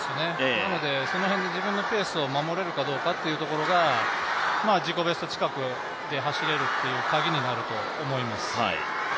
なので、その辺で自分のペースを守れるかというのが自己ベスト近くで走れるカギになると思います。